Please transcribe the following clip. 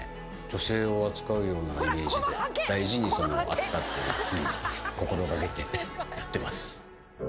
女性を扱うようなイメージで、大事に扱っているというのを常に心がけてやってます。